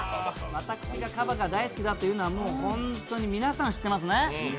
私がかばが大好きだというのは、本当に皆さん知ってますね？